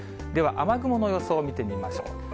では、雨雲の予想を見てみましょう。